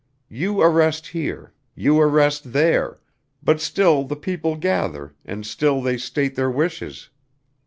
You arrest here, you arrest there, but still the people gather and still they state their wishes.